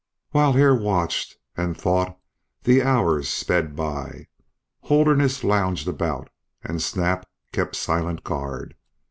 While Hare watched and thought the hours sped by. Holderness lounged about and Snap kept silent guard.